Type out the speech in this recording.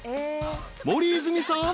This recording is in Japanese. ［森泉さん。